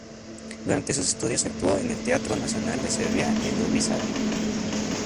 Durante sus estudios actuó en el Teatro Nacional de Serbia en Novi Sad.